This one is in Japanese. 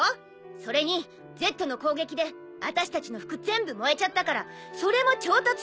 それにＺの攻撃で私たちの服全部燃えちゃったからそれも調達しないと。